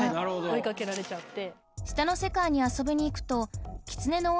追いかけられちゃって。